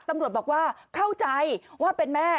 ตำรวจบอกว่าเข้าใจว่าเป็นแม่